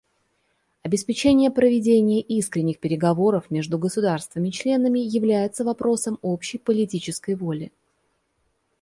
Обеспечение проведения искренних переговоров между государствами-членами является вопросом общей политической воли.